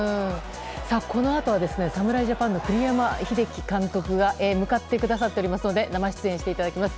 このあとは侍ジャパンの栗山英樹監督が向かってくださっていますので生出演していただきます。